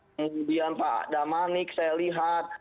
kemudian pak damanik saya lihat